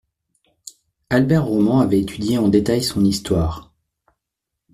Albert Roman avait étudié en détail son histoire.